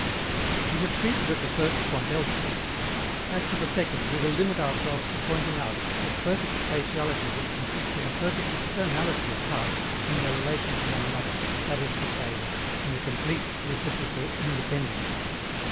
We have treated of the first point elsewhere. As to the second, we will limit ourselves to pointing out that perfect spatiality would consist in a perfect externality of parts in their relation to one another, that is to say, in a complete reciprocal independence.